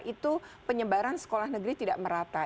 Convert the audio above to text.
itu penyebaran sekolah negeri tidak merata